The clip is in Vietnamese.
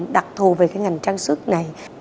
đặc thù về cái ngành trang sức này